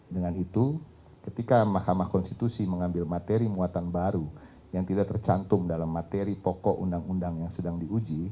dengan itu ketika mahkamah konstitusi mengambil materi muatan baru yang tidak tercantum dalam materi pokok undang undang yang sedang diuji